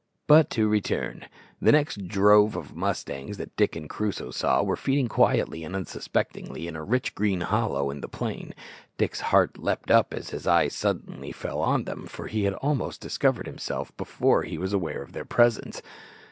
But to return. The next drove of mustangs that Dick and Crusoe saw were feeding quietly and unsuspectingly in a rich green hollow in the plain. Dick's heart leaped up as his eyes suddenly fell on them, for he had almost discovered himself before he was aware of their presence.